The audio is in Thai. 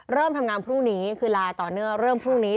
เริ่มทำงานพรุ่งนี้คือไลน์ต่อเนื่องเริ่มพรุ่งนี้